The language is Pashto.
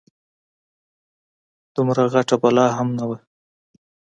دومره غټه بلا هم نه وه.